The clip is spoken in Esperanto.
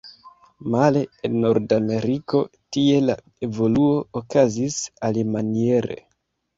Male en Nordameriko, tie la evoluo okazis alimaniere.